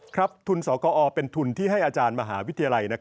ทุนสกอเป็นทุนที่ให้อาจารย์มหาวิทยาลัย